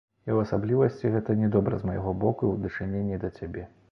І ў асаблівасці гэта не добра з майго боку ў дачыненні да цябе.